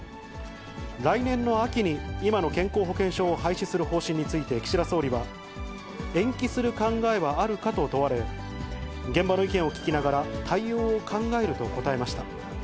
来年の秋に、今の健康保険証を廃止する方針について、岸田総理は、延期する考えはあるかと問われ、現場の意見を聞きながら対応を考えると答えました。